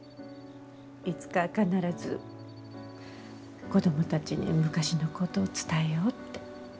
いつか必ず子供たちに昔のこと伝えようって。